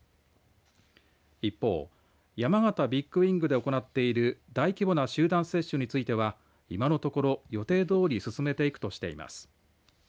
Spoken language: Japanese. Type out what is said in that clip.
一方、山形ビッグウイングで行っている大規模な集団接種については今のところ予定どおり進めていくとしています。